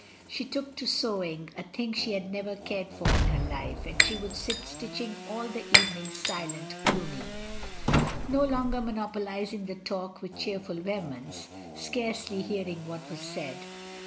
She took to sewing, a thing she had never cared for in her life, and she would sit stitching all the evening silent, gloomy; no longer monopolising the talk with cheer ful vehemence, scarcely hearing what was said.